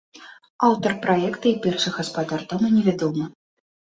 Аўтар праекта і першы гаспадар дома не вядомы.